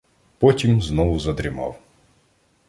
Потім знову задрімав.